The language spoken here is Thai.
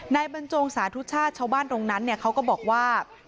บรรจงสาธุชาติชาวบ้านตรงนั้นเขาก็บอกว่า